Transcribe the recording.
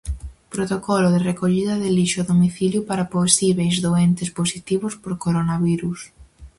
Protocolo de recollida de lixo a domicilio para posíbeis doentes positivos por coronavirus.